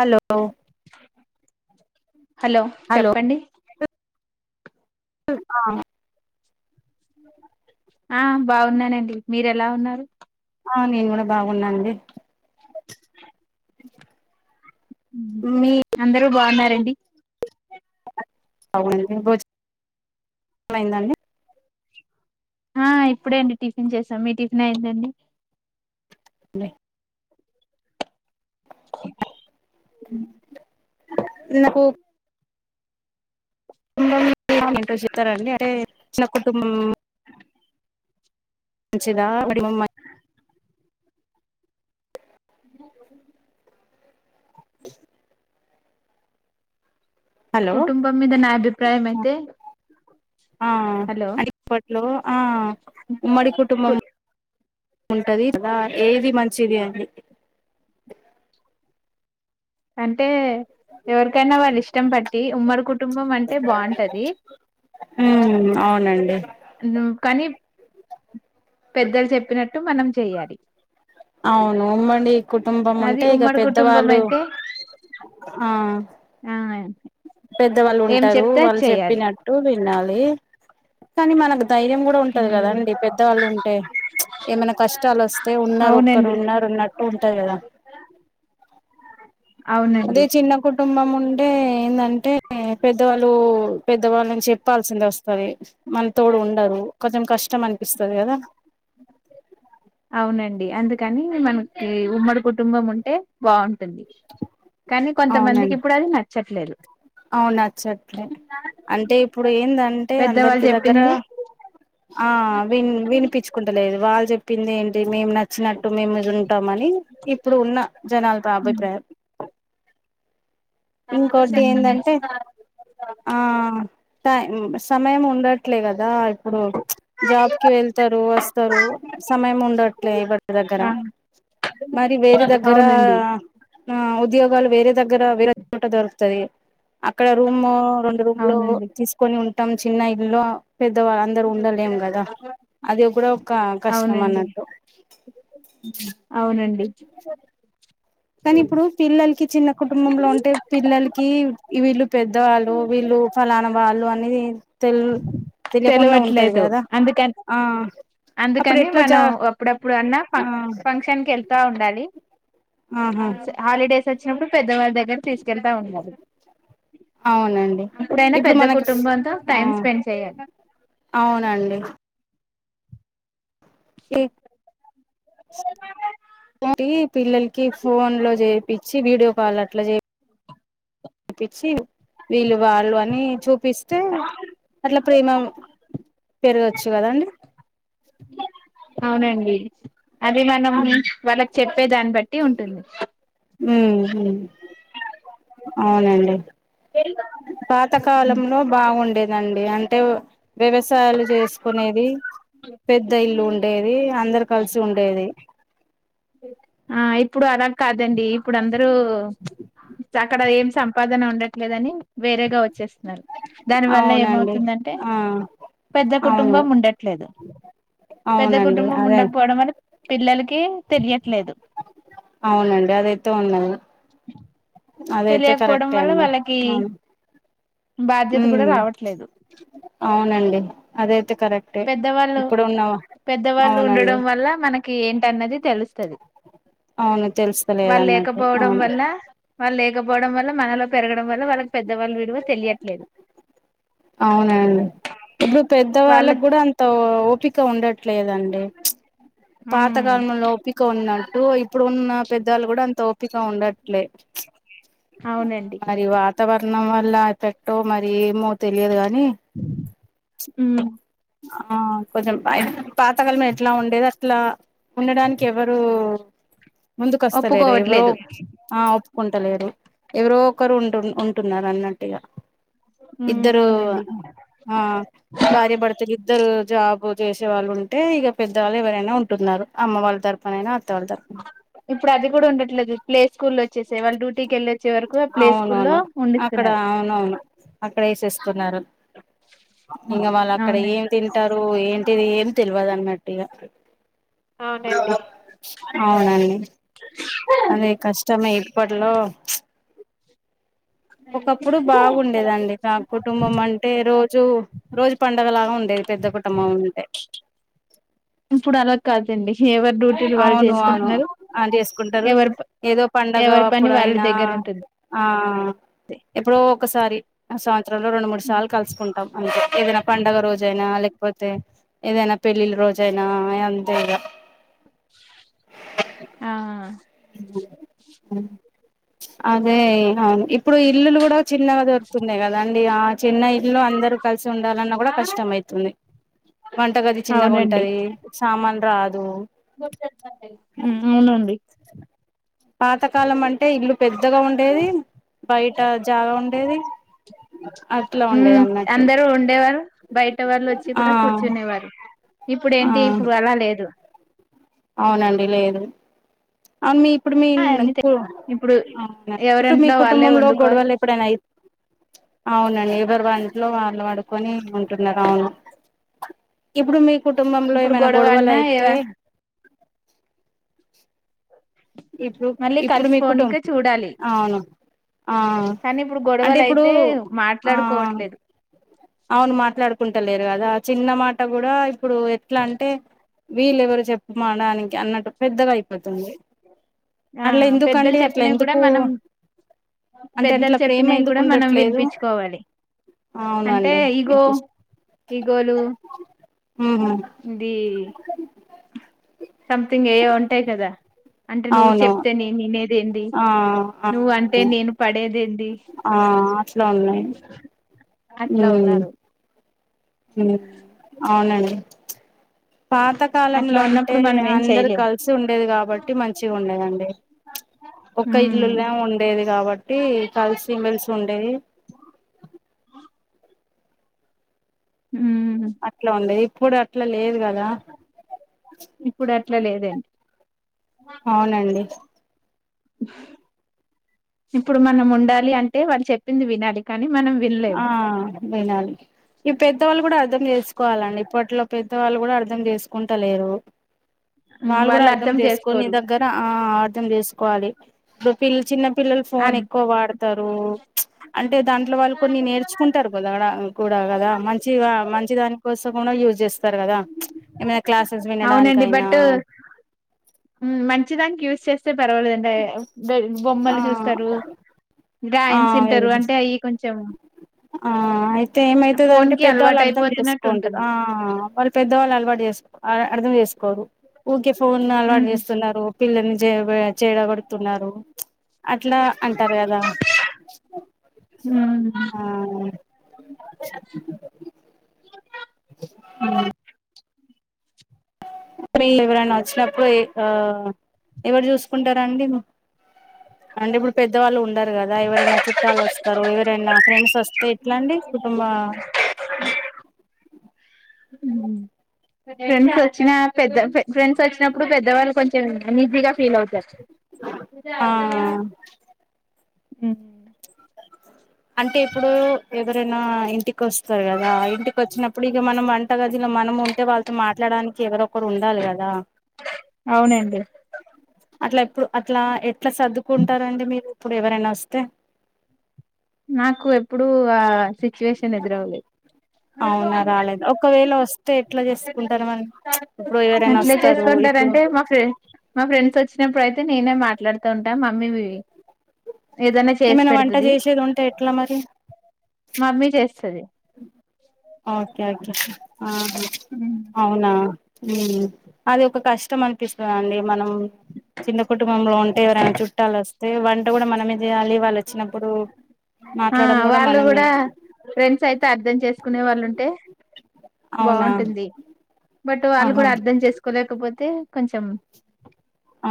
Hello hello చెప్పండి ఆ ఆ బాగున్నానండి మీరు ఎలా ఉన్నారు ఆ నేను కూడా బాగున్నా అండి మీ అందరూ బాగున్నారండి. అవునండి భోజనమైంద అండి. ఆ ఇప్పుడే అండి టిఫిన్ చేసాం మీ టిఫిన్ అయింద అండి ఉన్నాయి నాకు కుటుంబం అంటే ఏంటో చెప్తారండి. అంటే చిన్న కుటుంబం మంచిదా వాడి [unintelligible] [unintelligible] హలో కుటుంబం మీద నా అభిప్రాయం అయితే ఆ హలో అడిప్పట్లో ఆ ఉమ్మడి కు కుటుంబం ఉంటది ఏది మంచిది అండి అంటే ఎవరికైనా వాళ్ళ ఇష్టం పట్టి ఉమ్మడి కుటుంబం అంటే బాగుంటది. ఉ అవునండి ను- కానీ పెద్దలు చెప్పినట్టు మనం చెయాలి అవును ఉమ్మడి కుటుంబం అది ఉంటే ఇక ఉమ్మడి కుటుంబం పెద్దవాళ్ళు అయితే ఆ ఆ పెద్దవాళ్ళు ఏం ఉంటారు. చెప్తే అది వాళ్ళు చెయ్యాలి చెప్పినట్టు వినాలి కానీ మనకు ధైర్యం కూడా ఉంటది కదా ఉమ్, అండి పెద్దవాళ్ళు ఉంటే ఏమైనా కష్టాలు వస్తే ఉన్నారు ఒక్కడు అవునండి ఉన్నారు ఉన్నట్టు ఉంటాది కదా అదే అవునండి చిన్న కుటుంబం ఉంటే ఏందంటే పెద్దవాళ్ళు పెద్దవాళ్ళ చెప్పాల్సింది వస్తంది మన తోడు ఉండరు కొంచెం కష్టం అనిపిస్తది కదా అవునండి అందుకని మనకి ఉమ్మడి కుటుంబం ఉంటే బాగుంటుంది కానీ కొంతమందికి ఇప్పుడు అది నచ్చట్లేదు ఆ నచ్చట్లే అంటే ఇప్పుడు ఏందంటే పెద్దవాళ్ళు అందరికి దగ్గర చెప్పింది ఆ విన్ వినిపించుకుంటలేదు వాళ్ళు చెప్పింది ఏంటి మేము నచ్చినట్టు మేము ఎదురు ఉటాంమని ఇప్పుడు ఉన్న జనాలతో అభిప్రాయం చాలా ఇంకోటి చెత్త చేసి ఉ ఏందంటే ఆ టై సమయం ఉండట్లే కదా ఇప్పుడు జాబ్కిి వెళ్తారు వస్తారు సమయం ఉండట్లే ఇవటి దగ్గర మరి వేరే దగ్గర అవునండి ఆ ఉద్యోగాలు వేరే దగ్గర వేరే చోట దొరుకు తాది అక్కడ రూమ్ రెండు రూమ్లు అవునండి తీసుకొని ఉంటాం చిన్న ఇల్లో పెద్దవా అందరుూ ఉండలేం కదా అది కూడా ఒక కష్టం అవునండి అన్నట్టు అవునండి కానీ ఇప్పుడు పిల్లలకి చిన్న కుటుంబంలో ఉంటే పిల్లలకి వీళ్ళు పెద్ పెద్దవాళ్ళు వీళ్ళు ఫలాన వాళ్ళు అనే తెల్ తెలియకుండా ఉంటది తెలవట్లేదు కదా అందుకని ఆ అప్పుడు అందుకని ఎట్లా జా మనం అప్పుడప్పుడు అన్నా ఆ ఫం ఫంక్షన్కి వెళ్తా ఉండాలి ఆహా స హాలిడేస్ వచ్చినప్పుడు పెద్దవాళవారి దగ్గర తీసుకెళ్తా ఉండాలి అవునండి అప్పుడైనా ఇప్పుడు పెద్ద మనకి కుటుంబంతో ఆ టైం స్పెండ్ చేయాలి అవునండి ఎ ఒకటి పిల్లలకి ఫోన్ లో చేపిచ్చి వీడియో కాల్ అట్లా చే పించి వీళ్ళు వాళ్ళు అని చూపిస్తే అట్లా ప్రేమ పెరగచ్చు కదండి అవునండి అది మనం ఉమ్ వాళ్ళకు చెప్పే దాన్ని బట్టి ఉంటుంది ఉహు అవునండి పాతకాలంలో బాగుండేది నండి అంటే వ్యవసాయాలు చేసుకునేది పెద్ద ఇల్లు ఉండేది అందరు కలిసి ఉండేది ఆ ఇప్పుడు అలా కాదండి ఇప్పుడు అందరూ సా అక్కడ ఏం సంపాదన ఉండట్లేదని వేరేగా వచ్చేస్తున్నారు దాని వల్ల అవునండి ఏమవుతుందంటే ఆ పెద్ద అవును కుటుంబం ఉండట్లేదు పెద్ద అవునండి కుటుంబం అదే ఉండకపోవడం వల్ల పిల్లలకి తెలియట్లేదు అవునండి అదైతే ఉన్నది అదైతే తెలియకపోవడం కరెక్టే వల్ల అండి వాళ్ళకి ఆ ఉ బాధ్యత కూడా రావట్లేదు అవునండి అదైతే కరెక్టే పెద్దవాళ్ళు ఇప్పుడు ఉన్న పెద్దవాళ్ళు అవునండి ఉండడం వల్ల మనకి ఏంటన్నది తెలుస్తుది అవును తెలుస్తలేదు వాళ్ళు అన్నట్టు లేకపోవడం అవును వల్ల వాళ్ళు లేకపోవడం వల్ల మనలో పెరగడం వల్ల వాళ్ళకి పెద్దవాళ్ళ విలువ తెలియట్లేదు అవునండి ఇప్పుడు పెద్ద వాళ్ళ వాళ్ళకి కూడా అంత ఓపికగా ఉండట్ ఉండట్లేదండి పాత కాలం ఓపిక ఇప్పుడు ఉన్న పెద్దళ్లు కూడా అంత ఓపిక ఉండట్లే అవునండి మరి వాతావరణం ఉన్నం వల్ల పెట్టో మరి ఏమో తెలియదు కానీ ఉ ఆ కొంచెం అయి పాతకాలం ఎట్లా ఉండేది అట్లా ఉండడానికి ఎవరు ముందుకుస్తలే ఇద ఇవరు ఒప్పుకోవట్లేదు ఉంటలేరు ఎవరో ఒకరు ఉంటు ఉంటున్నారు అన్నట్టుగా ఇద్దరు అవునండి ఆ భార్యాభర్తలు ఇద్దరు జాబు చేసేవాళ్ళు ఉంటే ఇక పెద్దవాళ్ళు ఎవరైనా ఉంటున్నారు అమ్మ వాళ్ళ తరపునైనా వాళ్ళ తరపున ఇప్పుడు అది కూడా ఉండట్లేదు ప్లే స్కూల్ వచ్చేసే వాళ్ళు డ్యూటీకి వెళ్ళ అవునవును అక్కడ అవునవును అక్కడ వేసేసుకున్నారు ఇంకా వాళ్ళు అక్కడ అవునండి ఏం తింటారు ఏంటిది ఏమి తెలియదు అన్నట్టు ఇక అవునండి అవునండి అదే కష్టమే ఏపడలో ఒకప్పుడు బాగుండేదండి నా కుటుంబం అంటే రోజు రోజు పంండగలాగా ఉండేది పెద్ద కుటుంబం ఉంటే ఇప్పుడు అలా కాదండి ఎవరి డ్యూటీలు వాళ్ళు అవును అవును చేసుకుంటున్నారు అని చేసుకుంటారు ఎవరి ఏదో పండగ ఎవరి పని అప్పుడు వాళ్ళ అయినా దగ్గర ఉంటుంది ఆ ఎప్పుడో ఒకసారి రెండు మూడు సార్లు కలుసుకుంటాం అంతే ఏదైనా పండగ రోజ అయినా లే పోతే ఏదైనా పెళ్ళిళ్ళ రోజయినా అంతే ఈక ఆ అదే అవును ఇప్పుడు ఇల్లులు కూడా చిన్నగా దొరుకుతుంది కదా అండి ఆ చిన్న ఇల్లో అందరుూ కలిసి ఉండాలన్న కూడా కష్టం అవుతుంది వంటగది చిన్నగా అవునండి ఉంటది సామాన్ రాదు ఉ అవునండి పాతకాలం అంటే ఇల్లు పెద్దగా ఉండేది బయట జాగా ఉండే ఏది ఉ అందరుూ ఉండేవారు బయట వాళ్ళు వచ్చి ఆ కూడా కూర్చునేవారు ఇప్పుడు ఆ ఏంటి ఇప్పుడు అలా లేదు అవునండి లేదు అ మీ ఇప్పుడు మీ అన్ని ఇప్పుడు అవున ఇప్పుడు మీ ఎవరింట్లో వాళ్ళే కుటుంబంలో వండుకోవాలి గొడవలు ఎప్పుడైనా అ అవునండి ఎవరు వాట్లో వాళ్ళు పడుకొని ఉంటున్నారు అవును ఇప్పుడు మీ కుటుంబంలో ఇప్పుడు ఏమైనా గొడవ గొడవలు అన్నా అయితే ఇప్పుడు మళ్ళీ ఇప్పుడు మీ కుటుంబం కలిసిపోనిక చూడాలి అవును ఆ కానీ ఇప్పుడు అంటే గొడవలు ఇప్పుడు అయితే ఆ మాట్లాడుకోవట్లేదు అవును మాట్లాడుకుంటలేరు కదా ఆ చిన్న మాట కూడా ఇప్పుడు ఎట్లా అంటే వీళెవరు చెప్పుడానికి అన్నట్టు పెద్దగా అయిపోతుంది ఆ అట్లా పెద్దలు ఎందుకండి అట్లా చెప్పినవి కూడా ఎందుకు మనం అంటే పెద్దలు ఇంట్లో ప్రేమ చెప్పినవి ఎందుకు కూడా మనం ఉండట్లేదు వినిపించుకోవాలి అంటే అవునండి ఈగో ఈగోలు ఉహు దీ సంథింగ్ ఏ ఉంటాయి కదా అంటే నువ్వు అవును చెప్తే నేను ఏంటి ఆ ఆ నువ్వ అంటే అవును నేను పడేదేంది ఆ అట్లా ఉన్నాయి అట్లా ఉన్నారు ఉ అవునండి పాత కాలంలో అట్లా అంటే ఉన్నప్పుడు మనం ఏం అందరు చేయలేము కలిసి ఉండేది కాబట్టి మంచిగా ఉండేదండి ఒక ఉమ్ ఇల్లుల ఉండేది కాబట్టి కలిసిమెలిసి ఉండేది ఉమ్ అట్లా ఉండేది ఇప్పుడు అట్లా లేదు గదా ఇప్పుడు అట్లా లేదండి అవునండి ఇప్పుడు మనం ఉండాలి అంటే వాళ్ళు చెప్పింది వినాలి కానీ మనం ఆ వినలేము వినాలి ఈ పెద్దవాళ్ళు కూడా అర్థం చేసుకోవాలండి ఇప్పట్లో పెద్దవాళ్ళు కూడా అర్ధం చేసుకుంట లేరు ఉమ్, వాళ్ళు కూడా అర్ధం అర్థం చేసుకోని నీ చేసుకోరు దగ్గర ఆ అర్ధం చేసుకోవాలి ఇప్పుడు పిల్ల చిన్న పిల్లలు ఫోన్ అద్- ఎక్కువ వాడతారు తారు అంటే దాంట్లో వాళ్ళ కొన్ని నేర్చుకుంటారు కదా కూడా కదా మంచిగా మంచి దాని కోసం కూడా యూజ్ చేస్తారు చేస్తారు కదా ఏమైనా క్లాసెస్ అవునండి వినడానికైనా బట్ మంచిదానికి యూస్ చేస్తే ే పర్వాలేదండి ఆ బొమ్మలు చూస్తారు ఆ రాయిమ్స్ వింటారు వెల్ అంటే అయి కొంచెం ఆ అయితే ఏమయితది ఫోన్ అంటే కి పెద్దవాళ్ళు అలవాటు అర్థం అయిపోతున్నట్టు చేసుకుంటారు ఆ ఉంటుంది వాళ్ళు పెద్దవాళ్ళు అలవాటు చేసుకో అదే అర్థం చేసుకోరు ఊరికే ఫోన్ లు అలవాటు చేస్తున్నారు పిల్లల్ని చే చేడగొడుతున్నారు అట్లా అంటారు కదా ఆ ఆ పిల్లలు ఎవరైన వచ్చినప్పుడు ఆ ఎవరు చూసుకుంటరా అండి అంటే ఇప్పుడు పెద్దవాళ్ళు ఉండ ారు కదా ఎవరైనా చుట్టాలు వస్తారు ఎవరైనా ఫ్రెండ్స్ వస్తే ఎట్లండి కుటుంబ ఫ్రెండ్స్ వచ్చిన పెద్ద ఫ్రెండ్స్ వచ్చినప్పుడు పెద్దవాళ్ళు కొంచెం ఈజీగా ఫ ఆ అ [unintelligible] అంటే ఇప్పుడు ఎవరైనా ఇంటికీ వస్తారు కదా ఇంటికి వచ్చినప్పుడు ఇక మనం వంటగాదిలో మనం ఉంటే వాళ్ళతో మాట్లాడానికి ఎవరొ ఒకరు ఉండాలి కదా అవునండి అట్లా ఎప్పుడు అట్లా ఎట్లా సర్దుకుంటారండి మీరు ఇప్పుడు ఎవరైనా వస్తే నాకు ఎప్పుడుూ ఆ సిచ్యువేషన్ ఎదురవ్వలేదు అవునా రాలేద ఒకవేళ వస్తే ఎట్లా చేసుకుంటారు మనం ఇప్పుడు ఎవరైనా ఎట్లా వస్తారు ఇప్పుడు చేసుకుంటారంటే మా ఫ్రె మా ఫ్రెండ్స్ వచ్చినప్పుడు అయితే నేనే మాట్లాడుతూ ఉంటా మమ్మీవి ఏదైనా చేసి ఏమైనా వంట పెడతది చేసేది ఉంటే ఎట్లా మరి మమ్మీ చేస్త ఓకేఓకే అ అవునా అది ఒక కష్టం అనిపిస్తద మనం చిన్న కుటుంబంలో ఉంటే ఎవరైనా చుట్టాలు వస్తే వంట కూడా మనం ఆ మాట్లాడడం వాళ్ళు మనమే కూడా ఫ్రెండ్స్ అర్ధం చేసుకునే వాళ్ళు ఉంటే అవునా బాగుంటుంది బట్ వాళ్ళు ఆహా కూడా అర్ధం చేసుకోలేకపోతే కొంచెం ఆ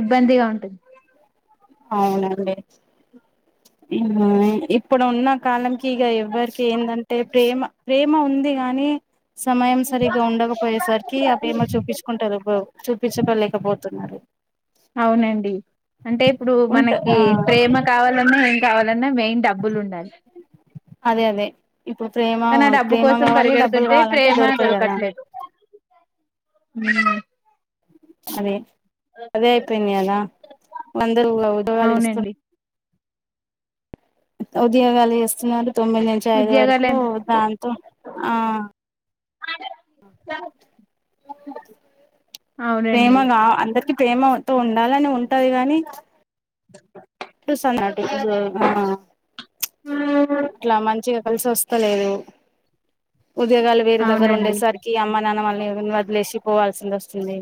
ఇబ్బందిగా ఉం అవునండి ఇప్పుడు ఉన్న కాలంకి ఇక ఎవ్వరికి ఏందంటే ప్రేమ ప్రేమ ఉంది కాగాని సమయం సరిగ్గా ఉండకపోయేసరికి అవి ఏమో చూపించుకుంటారు చూపించకోలేకపోతున్నారు అవునండి అంటే ఇప్పుడు ఉంట మనకి ఆ ప్రేమ కావాలన్నా ఏం కావాలన్నా మెయిన్ డబ్బులు ఉండాలి అదే అదే ఇప్పుడు ప్రేమ కానీ ఆ డబ్బు ప్రేమ కోసం కావాలి డబ్బులు పరిగెడుతుంటే కావాలంటే దొరకాయి కదా ఉం అదే అదే అయిపోయింది కదా అందరు ఉద్యోగాలు చేస్తు అవునండి ఉద్యోగాలు చేస్తూ తొమ్మిది నుంచి ఐదు ఉద్యోగాలు వరకు దాంతో ఆ అ అవునండి ప్రేమగా కా అందరికి ప్రేమతో ఉ చాలనే ఉంటది కానీ ఆ అట్లా మంచిగా కలిసి వస్తలేదు ఉద్యోగాలు వేరే దగ్గర అవునండి ఉండేసరికి అమ్మ నాన్న వాళ్ళని వదిలేసి పోవాల్సింది వస్తుంది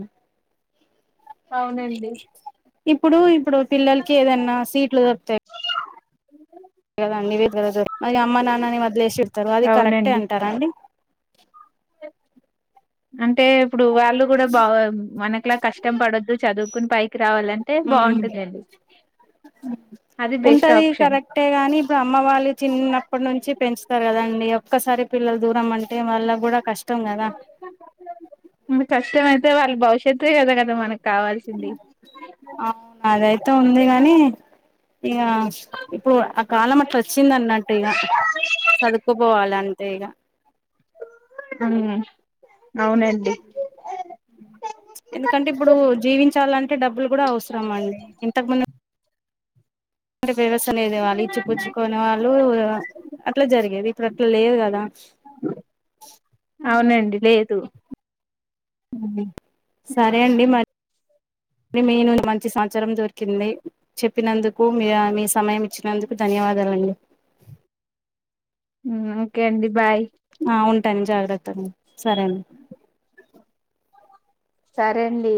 అవునండి ఇప్పుడు ఇప్పుడు పిల్లలకి ఏదన్నా సీట్లు దొరుకుతాయి కదండి వ మ అమ్మ నాన్నని వదిలేసి వెళ్తారు అది కరెక్టే అవునండి అంటార అండి అంటే ఇప్పుడు వాళ్ళు కూడా బా మనకులా కష్టం పడొద్దు చదువుకుని పైకి రావాలంటే ఉమ్ బాగుంటుందండి అది బెస్ట్ ఉంటది ఆప్షన్ కరెక్టే గాని ఇప్పుడు అమ్మ వాళ్ళు చిన్నప్పటి నుంచి పెంచుతారు కదండి ఒక్కసారి పిల్లలు దూరం అంటే వాళ్ళ కూడా కష్టం కదా కష్టమయితే వాళ్ళ భవిష్యత్ ఏ కదా మనకు కావాల్సింది అవు అదయితే ఉంది గానీ ఇగ ఇప్పుడు ఆ కాలం అట్లా అచ్చింది అన్నట్టు ఇక చదుకుపోవాల అంతే ఇగ ఉమ్ అడి ఎందుకంటే ఇప్పుడు జీవించాలంటే డబ్బులు కూడా అవసరం అండి ఇంతకు ముందు అంటే వేవసనదే తేవాలి ఇచ్చి పుచ్చుకునే వాళ్ళు అట్లా జరిగేది ఇప్పుడు అట్లా లేదు కదా అవునండి లేదు ఉ సరే అండి మరి మీ నుంచి మంచి సమాచారం దొరికింది చెప్పినందుకు మీ మీ సమయం ఇచ్చినందుకు ధన్యవాదాలు అండి ఓకే అండి బాయ్ ఆ ఉంటాను జాగ్రత్తగా సరే ఆ సరే అండి